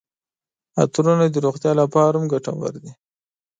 عطرونه د روغتیا لپاره هم ګټور دي.